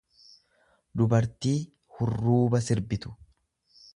dubartii hurruuba sirbitu.